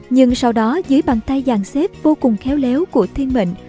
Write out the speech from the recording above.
nhưng sau đó dưới bàn tay giàn xếp vô cùng khéo léo của thiên mệnh